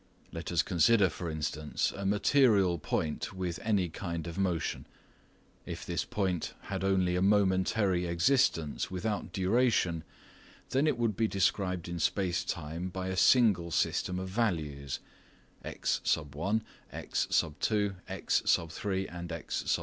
Let us consider, for instance, a material point with any kind of motion. If this point had only a momentary existence without duration, then it would to described in space time by a single system of values x, x, x, x.